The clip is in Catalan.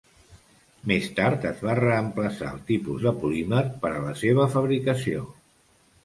Més tard es va reemplaçar el tipus de polímer per a la seva fabricació.